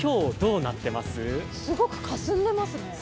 すごくかすんでいますね。